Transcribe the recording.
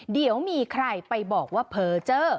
เดี๋ยวมีใครไปบอกว่าเผลอเจอ